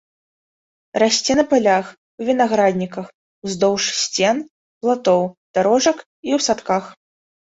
Расце на палях, у вінаградніках, уздоўж сцен, платоў, дарожак і ў садках.